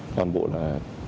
toàn bộ là